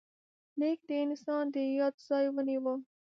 لیک د انسان د یاد ځای ونیو.